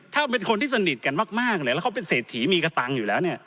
ถ้าเป็นคนที่สนิทกันมากและเขาเป็นเศรษฐีมีกับตังค์อยู่แล้ว